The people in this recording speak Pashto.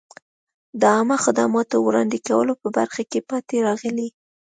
د عامه خدماتو وړاندې کولو په برخه کې پاتې راغلي.